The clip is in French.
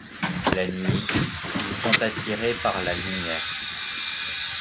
La nuit ils sont attirés par la lumière.